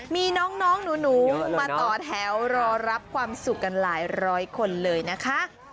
มีน้องหนูมาต่อแถวรอรับความสุขกันหลายร้อยคนเลยนะคะ